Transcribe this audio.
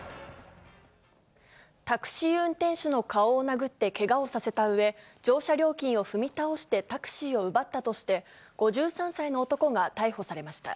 タクシー運転手の顔を殴ってけがをさせたうえ、乗車料金を踏み倒してタクシーを奪ったとして、５３歳の男が逮捕されました。